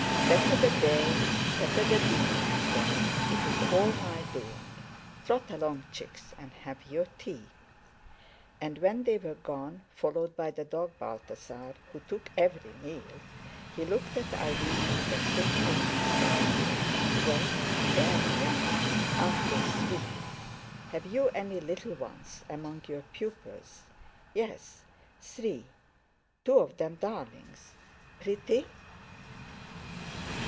"Better the day, better the deed, Mam'zelle. It's all my doing. Trot along, chicks, and have your tea." And, when they were gone, followed by the dog Balthasar, who took every meal, he looked at Irene with a twinkle and said: "Well, there we are! Aren't they sweet? Have you any little ones among your pupils?" "Yes, three—two of them darlings." "Pretty?"